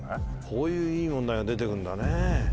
こういういい問題が出てくるんだね。